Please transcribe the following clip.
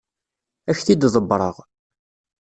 Ad ak-t-id-ḍebbreɣ.